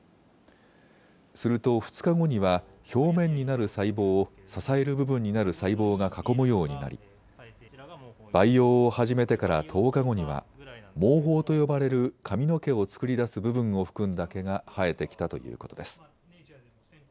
すると、２日後には表面になる細胞を支える部分になる細胞が囲むようになり培養を始めてから１０日後には毛包と呼ばれる髪の毛を作り出す部分を含んだ毛が生えてきたということです。